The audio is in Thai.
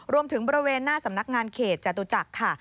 บริเวณหน้าสำนักงานเขตจตุจักรค่ะ